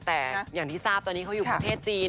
แต่อย่างที่ทราบตอนนี้เขาอยู่ประเทศจีน